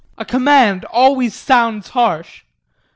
A command always sounds harsh.